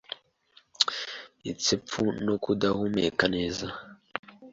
isepfu no kudahumeka neza